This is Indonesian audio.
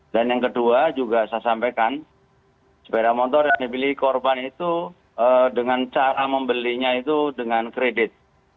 dan yang kedua juga saya sampaikan sepeda motor yang dibeli korban itu dengan cara membelinya itu dengan kredit